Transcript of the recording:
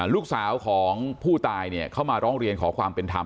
ลูกสาวของผู้ตายเข้ามาร้องเรียนขอความเป็นธรรม